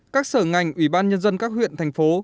các sở ngành ủy ban nhân dân các huyện thành phố